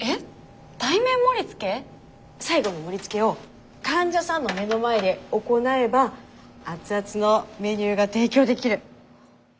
最後の盛り付けを患者さんの目の前で行えば熱々のメニューが提供できる。